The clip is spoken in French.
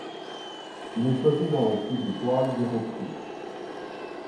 Il est choisi dans l'équipe d'étoiles des recrues.